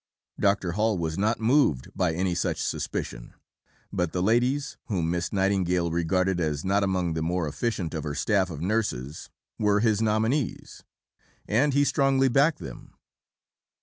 Dr. Hall was not moved by any such suspicion; but the ladies, whom Miss Nightingale regarded as not among the more efficient of her staff of nurses, were his nominees, and he strongly backed them.